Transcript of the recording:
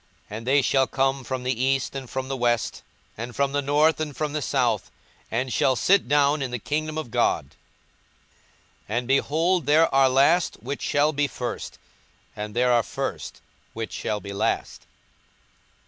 42:013:029 And they shall come from the east, and from the west, and from the north, and from the south, and shall sit down in the kingdom of God. 42:013:030 And, behold, there are last which shall be first, and there are first which shall be last.